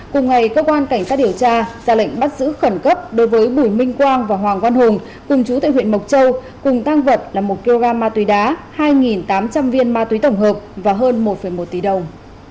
cùng ngày cơ quan cảnh sát điều tra ra lệnh bắt giữ khẩn cấp đối với bùi minh quang và hoàng văn hùng cùng chú tại huyện mộc châu cùng tăng vật là một kg ma túy đá hai tám trăm linh viên ma túy tổng hợp và hơn một một tỷ đồng